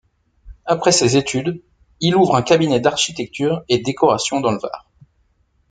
Après ses études, il ouvre un Cabinet d'Architecture et décoration dans le Var.